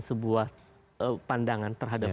sebuah pandangan terhadap